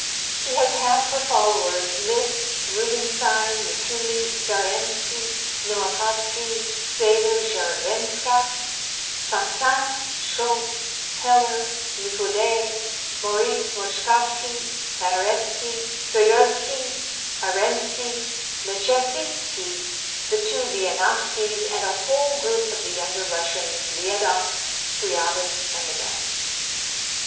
He has had for followers Liszt, Rubinstein, Mikuli, Zarembski, Nowakowski, Xaver Scharwenka, Saint Saens, Scholtz, Heller, Nicode, Moriz Moszkowski, Paderewski, Stojowski, Arenski, Leschetizki, the two Wieniawskis, and a whole group of the younger Russians Liadoff, Scriabine and the rest.